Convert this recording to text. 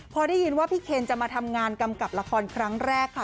พอได้ยินว่าพี่เคนจะมาทำงานกำกับละครครั้งแรกค่ะ